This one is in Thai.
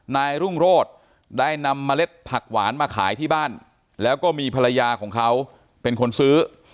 นายรุ่งโรธได้นำเมล็ดผักหวานมาขายที่บ้านแล้วก็มีภรรยาของเขาเป็นคนซื้อ